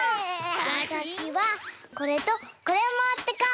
わたしはこれとこれもってこっと。